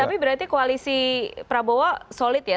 tapi berarti koalisi prabowo solid ya